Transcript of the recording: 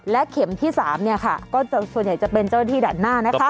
และเข็มที่๓เนี่ยค่ะก็จะส่วนใหญ่จะเป็นเจ้าหน้าที่ด่านหน้านะคะ